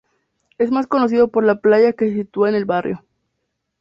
Es más conocido por la playa que se sitúa en el barrio.